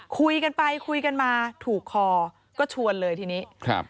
คุยกันไปคุยกันมาถูกคอก็ชวนเลยทีนี้ครับ